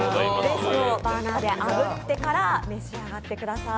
バーナーであぶってから召し上がってください。